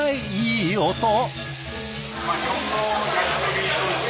いい音。